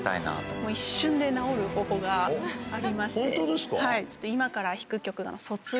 もう一瞬で治る方法がありま